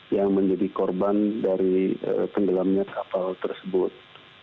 yang menjadi korban dari tenggelamnya kapal tersebut